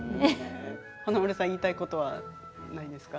華丸さん言いたいことはないですか？